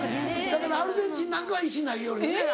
だからアルゼンチンなんかは石投げよるよね。